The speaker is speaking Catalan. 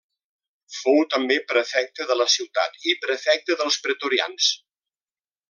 Fou també prefecte de la ciutat i prefecte dels pretorians.